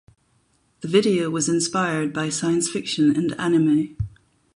The video was inspired by science fiction and anime.